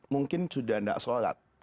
mungkin sudah tidak sholat